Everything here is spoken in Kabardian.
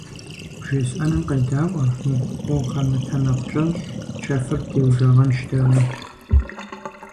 БжесӀэнум къедаӀуэ, укъэмытэмакъкӀэщӀ, чэфыр птеужагъэнщ, дауи.